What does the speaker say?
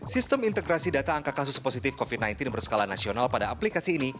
sistem integrasi data angka kasus positif covid sembilan belas berskala nasional pada aplikasi ini